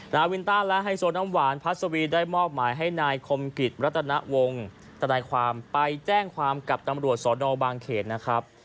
นายวินต้าและให้โซนน้ำหวานพัสสวีบุรูปได้มอกหมายให้นะครมกิจรัตนวงธุ์ธนาความไปแจ้งความกับดำรวจสลอบางเขตนะครับ